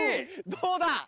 どうだ！